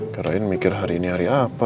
karain mikir hari ini hari apa